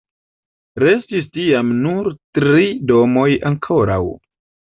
Restis tiam nur tri domoj ankoraŭ.